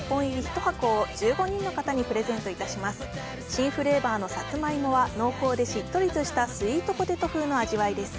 新フレーバーのサツマイモは、濃厚でしっとりとしたスイートポテト風の味わいです。